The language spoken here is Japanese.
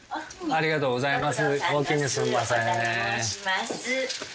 ありがとうございます。